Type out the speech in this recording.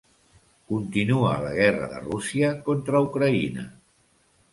Continua la guerra de Rússia contra Ucraïna.